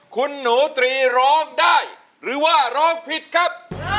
คุณหนูตรีร้องได้หรือว่าร้องผิดครับ